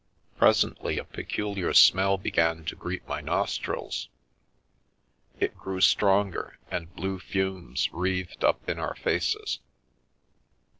Presently a peculiar smell began to greet my nos trils, it grew stronger, and blue fumes wreathed up in our faces.